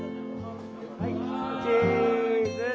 はいチーズ！